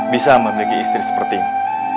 bisa memiliki istri seperti ini